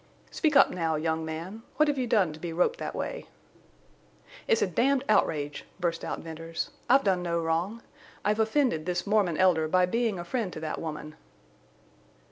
"Speak up now, young man. What have you done to be roped that way?" "It's a damned outrage!" burst out Venters. "I've done no wrong. I've offended this Mormon Elder by being a friend to that woman."